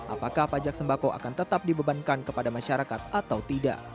apakah pajak sembako akan tetap dibebankan kepada masyarakat atau tidak